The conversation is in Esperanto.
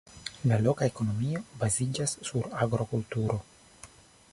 La loka ekonomio baziĝas sur agrokulturo.